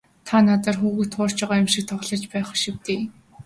Та надаар хүүхэд хуурч байгаа юм шиг л тоглож байх шив дээ.